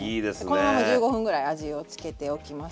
このまま１５分ぐらい味をつけておきます。